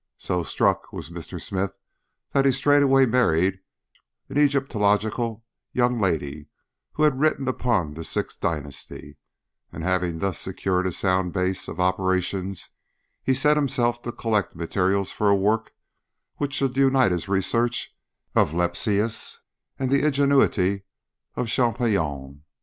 So struck was Mr. Smith that he straightway married an Egyptological young lady who had written upon the sixth dynasty, and having thus secured a sound base of operations he set himself to collect materials for a work which should unite the research of Lepsius and the ingenuity of Champollion.